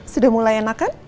sudah mulai enakan